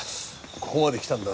ここまできたんだ。